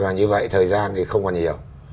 và như vậy thời gian thì không còn nhiều